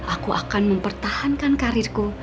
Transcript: aku akan mempertahankan karirku